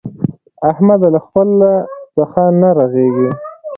احمده! له خپله څخه نه رغېږي.